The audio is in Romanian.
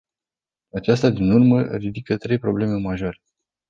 Aceasta din urmă ridică trei probleme majore.